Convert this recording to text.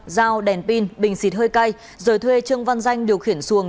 dao đèn pin bình xịt hơi cay rồi thuê trương văn danh điều khiển xuồng